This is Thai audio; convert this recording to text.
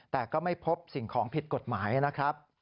แต่ก็ไม่พบสิ่งของผิดกฎหมายนะครับ